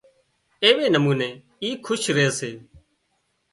ايوي نموني اِي کُش ري سي